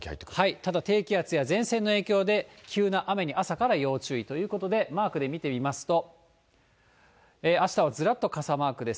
ただ、低気圧や前線の影響で、急な雨に朝から要注意ということで、マークで見てみますと、あしたはずらっと傘マークです。